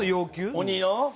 鬼の？